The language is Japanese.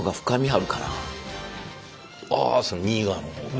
あそれ右側の方が？